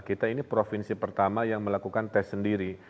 kita ini provinsi pertama yang melakukan tes sendiri